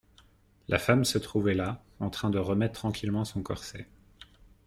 La femme se trouvait là, en train de remettre tranquillement son corset.